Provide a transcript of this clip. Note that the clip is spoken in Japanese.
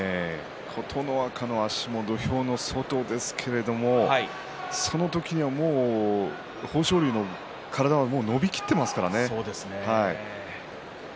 琴ノ若の足も土俵の外ですけれどその時にはもう豊昇龍の体は伸びきっていますからね。